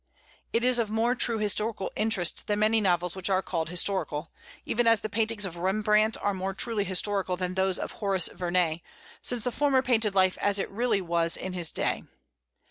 It is of more true historical interest than many novels which are called historical, even as the paintings of Rembrandt are more truly historical than those of Horace Vernet, since the former painted life as it really was in his day.